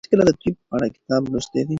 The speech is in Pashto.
ایا تاسي کله د طب په اړه کتاب لوستی دی؟